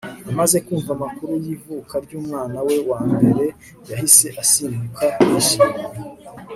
amaze kumva amakuru y'ivuka ry'umwana we wa mbere, yahise asimbuka yishimye